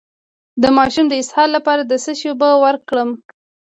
د ماشوم د اسهال لپاره د څه شي اوبه ورکړم؟